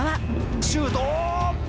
シュート。